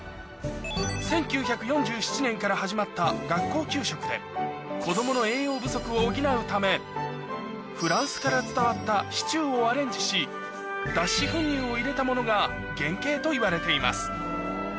１９４７年から始まった学校給食で子供の栄養不足を補うためフランスから伝わったシチューをアレンジし脱脂粉乳を入れたものが原形といわれています